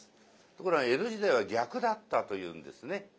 ところが江戸時代は逆だったというんですね。